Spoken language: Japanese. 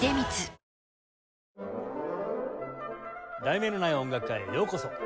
『題名のない音楽会』へようこそ。